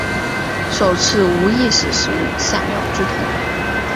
首次无意识使用闪耀之瞳。